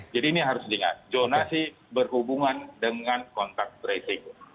jadi ini harus diingat zonasi berhubungan dengan kontak tracing